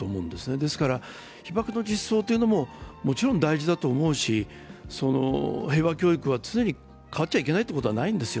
ですから被爆の実装というのももちろん大事だと思うし、平和教育は常に変わっちゃいけないということはないんですよ。